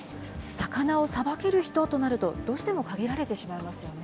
魚をさばける人となると、どうしても限られてしまいますよね。